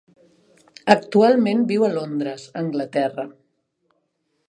Actualment viu a Londres, Anglaterra.